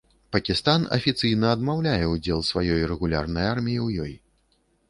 Пакістан афіцыйна адмаўляе ўдзел сваёй рэгулярнай арміі ў ёй.